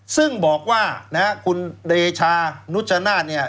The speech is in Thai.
ซึ่งบอกว่าคุณเดชานุชนาฬเนี่ย